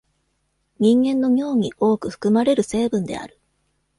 人間の尿に多く含まれる成分である。